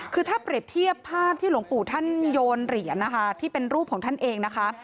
คือถ้าเปรียบเทียบภาพที่หลวงปู่ท่านโยนเหรียญนะคะที่เป็นรูปของท่านเองนะคะ